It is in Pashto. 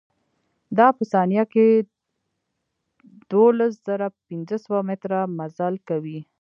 دا په ثانيه کښې دولز زره پنځه سوه مټره مزل کوي.